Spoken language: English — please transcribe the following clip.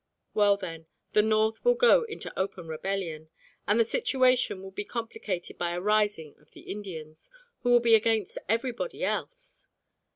Well then, the North will go into open rebellion, and the situation will be complicated by a rising of the Indians, who will be against everybody else.